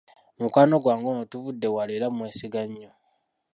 Mukwano gwange ono tuvudde wala era mmwesiga nnyo.